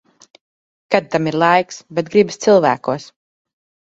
Kad tam ir laiks. Bet gribas cilvēkos.